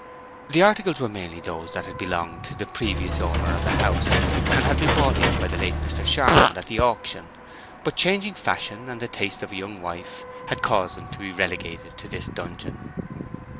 The articles were mainly those that had belonged to the previous owner of the house, and had been bought in by the late Mr. Charmond at the auction; but changing fashion, and the tastes of a young wife, had caused them to be relegated to this dungeon.